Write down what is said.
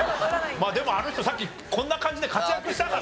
まあでもあの人さっきこんな感じで活躍したからな。